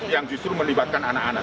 yang justru melibatkan anak anak